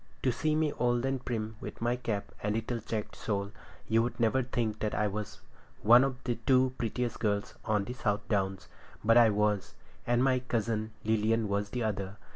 To see me old and prim, with my cap and little checked shawl, you'd never think that I was once one of the two prettiest girls on all the South Downs. But I was, and my cousin Lilian was the other.